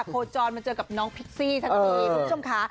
โพลดจอร์นมาเจอกับน้องพิกซี่ทั้งนี้ทุกชมค่ะ